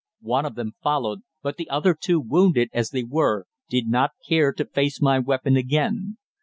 One of them followed, but the other two, wounded as they were, did not care to face my weapon again.